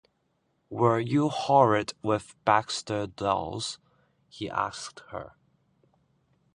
“Were you horrid with Baxter Dawes?” he asked her.